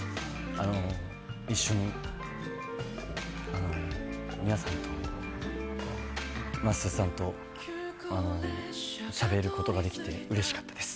一緒に皆さんとまっすーさんとしゃべることができてうれしかったです。